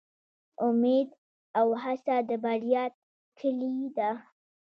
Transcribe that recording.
امید او هڅه د بریا کیلي ده